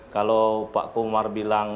kalau pak komar bilang